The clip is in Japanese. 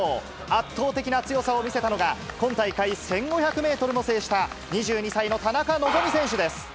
圧倒的な強さを見せたのが、今大会１５００メートルを制した、２２歳の田中希実選手です。